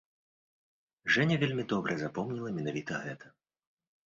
Жэня вельмі добра запомніла менавіта гэта.